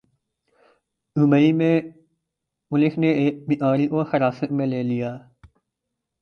Dubai میں police نے ایک بھکاری کو حراست میں لے لیا